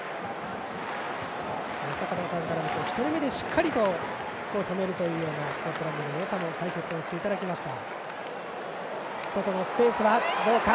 坂田さんから１人でしっかり止めるというスコットランドのよさの解説もしていただきました。